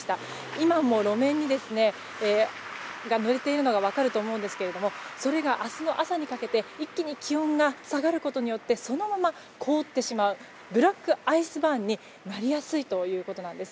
今も路面がぬれているのが分かると思うんですがそれが明日の朝にかけて一気に気温が下がることによってそのまま、凍ってしまうブラックアイスバーンになりやすいということです。